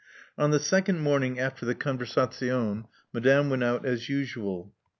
On the second morning after the conversazione^ Madame went out as usual.